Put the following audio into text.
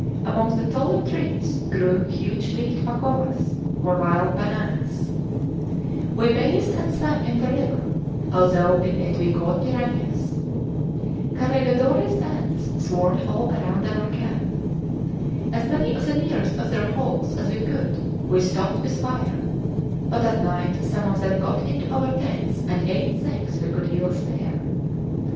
Among the taller trees grew huge leafed pacovas, or wild bananas. We bathed and swam in the river, although in it we caught piranhas. Carregadores ants swarmed all around our camp. As many of the nearest of their holes as we could we stopped with fire; but at night some of them got into our tents and ate things we could ill spare.